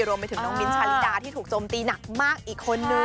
รวมไปถึงน้องมิ้นทชาลิดาที่ถูกโจมตีหนักมากอีกคนนึง